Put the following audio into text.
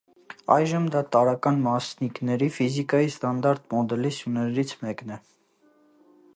Այժմ դա տարրական մասնիկների ֆիզիկայի ստանդարտ մոդելի սյուներից մեկն է։